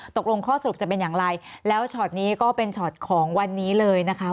ตกลงข้อสรุปจะเป็นอย่างไรแล้วช็อตนี้ก็เป็นช็อตของวันนี้เลยนะคะ